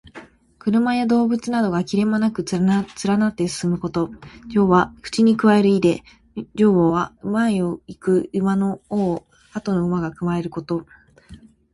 車や動物などが切れ目なく連なって進むこと。「銜」は口にくわえる意で、「銜尾」は前を行く馬の尾をあとの馬がくわえること。「相随」はつきしたがって進む意。「銜尾相随う」とも読む。